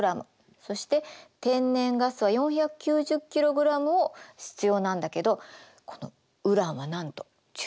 そして天然ガスは４９０ｋｇを必要なんだけどこのウランはなんと１１ｇで済んじゃうの。